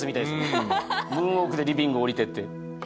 ムーンウォークでリビング下りてって。